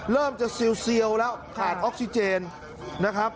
เริ่มจะเซียวแล้วขาดออกซิเจนนะครับ